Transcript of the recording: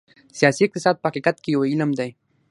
سیاسي اقتصاد په حقیقت کې یو علم دی.